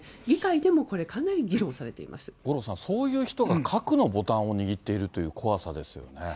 議会でもこれ、かなり議論されて五郎さん、そういう人が核のボタンを握っているという怖さですよね。